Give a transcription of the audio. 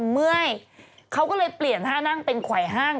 เมื่อยเขาก็เลยเปลี่ยนท่านั่งเป็นไขว่ห้าง